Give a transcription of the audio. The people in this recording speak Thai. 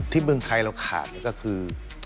เมืองไทยเราขาดก็คือ